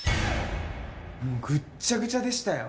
もうぐっちゃぐちゃでしたよ。